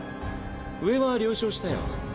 上は了承したよ。